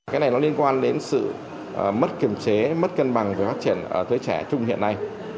cái này nó liên quan đến sự mất kiểm chế mất cân bằng về phát triển giới trẻ trung hiện nay